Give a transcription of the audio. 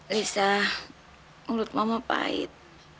lisa menurut mama pahit